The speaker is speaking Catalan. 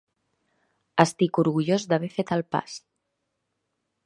Estic orgullós d'haver fet el pas.